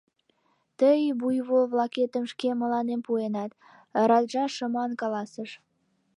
— Тый буйвол-влакетым шке мыланем пуэнат, — раджа шыман каласыш.